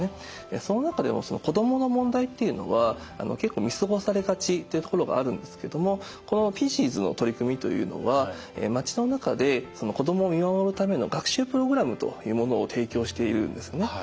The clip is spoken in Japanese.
その中でも子どもの問題っていうのは結構見過ごされがちっていうところがあるんですけどもこのＰＩＥＣＥＳの取り組みというのは町の中で子どもを見守るための学習プログラムというものを提供しているんですね。